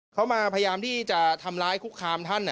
เขามาพยายามที่จะทำร้ายคุกคามท่าน